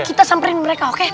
kita samperin mereka oke